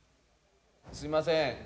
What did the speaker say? すみません